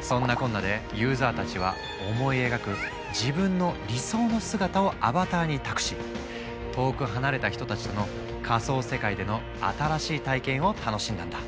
そんなこんなでユーザーたちは思い描く自分の理想の姿をアバターに託し遠く離れた人たちとの仮想世界での新しい体験を楽しんだんだ。